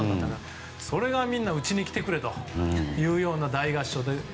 それがみんな、うちに来てくれと言うような大合唱で。